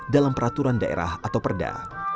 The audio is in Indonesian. dalam peraturan daerah atau perda